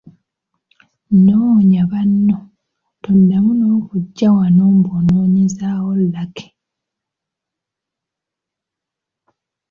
Noonya banno, toddamu n’okujja wano mbu onoonyezaawo Lucky.